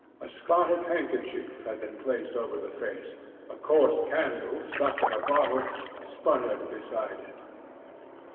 A spotted handkerchief had been placed over the face. A coarse candle, stuck in a bottle, sputtered beside it.